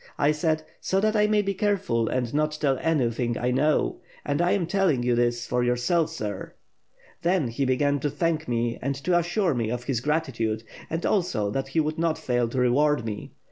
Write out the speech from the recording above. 1 said, 'So that I may be careful and not tell any thing I know — and I am telling you this for yourself, sir.' Then, he began to thank me and to assure me of his grati tude and also that he would not fail to reward me.